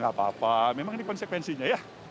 gak apa apa memang ini konsekuensinya ya